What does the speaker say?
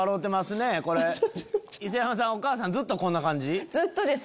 磯山さんお母さんずっとこんな感じ？